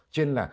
cho nên là